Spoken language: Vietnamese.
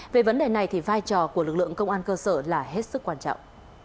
về vấn đề này thì vai trò của lực lượng công an cơ sở là hết sức quan trọng